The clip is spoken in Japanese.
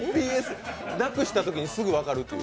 なくしたときにすぐ分かるという。